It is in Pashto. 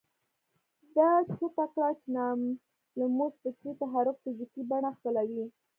ده جوته کړه چې ناملموس فکري تحرک فزيکي بڼه خپلوي.